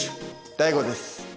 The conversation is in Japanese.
ＤＡＩＧＯです。